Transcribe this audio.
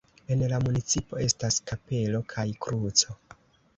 En la municipo estas kapelo kaj kruco.